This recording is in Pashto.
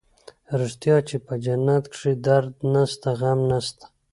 رښتيا چې په جنت کښې درد نسته غم نسته.